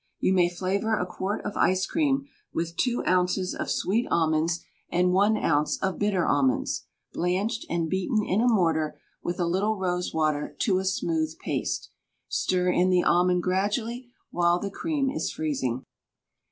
You may flavor a quart of ice cream with two ounces of sweet almonds, and one ounce of bitter almonds, blanched, and beaten in a mortar with a little rose water to a smooth paste. Stir in the almond gradually, while the cream is freezing.